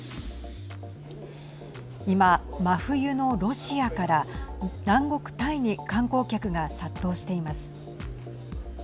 今、真冬のロシアから南国タイに観光客が殺到しています。